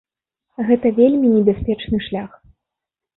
Гэта вельмі небяспечны шлях.